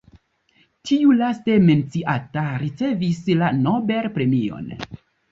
Tiu laste menciata ricevis la Nobel Premion.